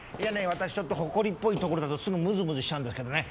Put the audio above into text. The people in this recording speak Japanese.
私ちょっと埃っぽいところだとすぐムズムズしちゃうんですけどね。